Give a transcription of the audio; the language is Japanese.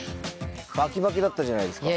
バキバキだったじゃないですか。